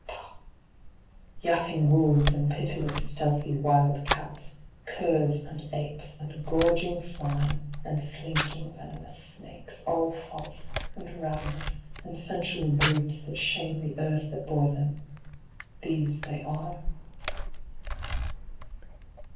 Pah, yapping wolves and pitiless stealthy wild cats, curs and apes and gorging swine and slinking venomous snakes all false and ravenous and sensual brutes that shame the Earth that bore them, these they are.